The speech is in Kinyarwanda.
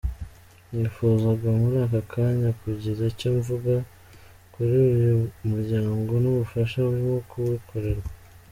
Nifuzaga muri aka kanya kugira icyo mvuga kuri uriya murayngo n’ubufasha burimo kuwukorerwa.